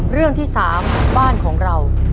เรื่องที่๓บ้านของเรา